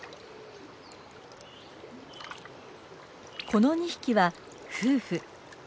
この２匹は夫婦。